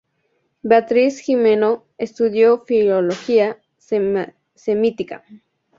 Beatriz Gimeno estudió Filología semítica.